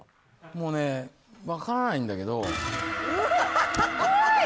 もうね分からないんだけど・怖い！